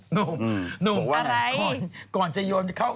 หนุ่มหนุ่มอะไรก่อนจะโยนเข้า